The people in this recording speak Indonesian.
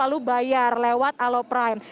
lalu bayar lewat aloprime